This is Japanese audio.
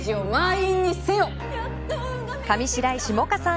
上白石萌歌さん